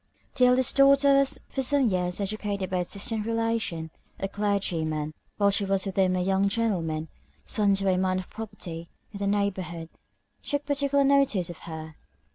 The eldest daughter was for some years educated by a distant relation, a Clergyman. While she was with him a young gentleman, son to a man of property in the neighbourhood, took particular notice of her.